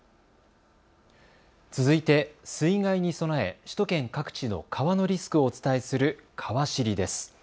続いて、水害に備え首都圏各地の川のリスクをお伝えするかわ知りです。